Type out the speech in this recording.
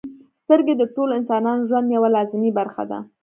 • سترګې د ټولو انسانانو ژوند یوه لازمي برخه ده.